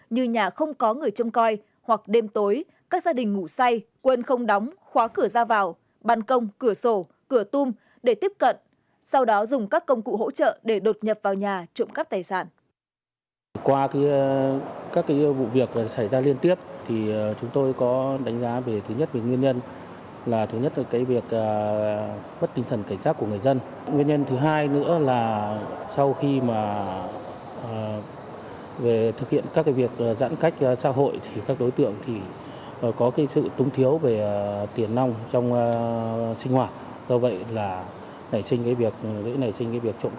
như nhà không có người châm coi hoặc đêm tối các gia đình ngủ say quên không đóng khóa cửa ra vào bàn công cửa tum để tiếp cận sau đó dùng các công cụ hỗ trợ để đột nhập vào nhà trộm các tài sản